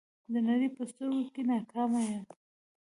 د نړۍ په سترګو کې ناکامه یم.